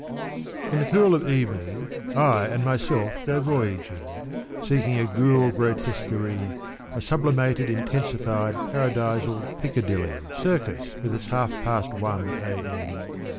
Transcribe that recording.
Ill the cool of evening I and myself go voyaging, Seeking a ghoul grotesquerie, a sublimated Intensified paradisal Piccadilly Circus with its half past one a.m.